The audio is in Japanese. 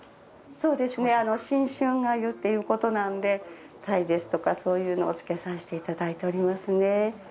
そうですね新春粥っていうことなんで鯛ですとかそういうのをつけさせていただいておりますね。